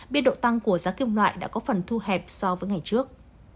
biên độ tăng của giá kim loại đã có phần thu hẹp so với ngày trước